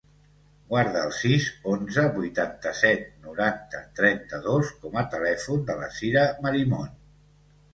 Guarda el sis, onze, vuitanta-set, noranta, trenta-dos com a telèfon de la Sira Marimon.